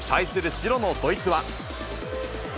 白のドイツは。